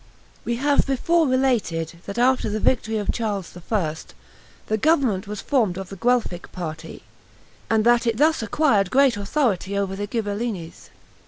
We have before related, that after the victory of Charles I. the government was formed of the Guelphic party, and that it thus acquired great authority over the Ghibellines.